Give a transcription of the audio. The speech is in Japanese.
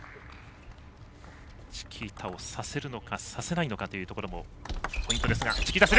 チキータをさせるのかさせないのかというところもポイント。